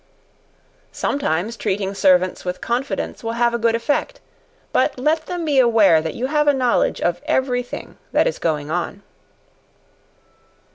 Sometimes treating servants with confidence will have a good effect; but let them be aware that you have a knowledge of every thing that is going on.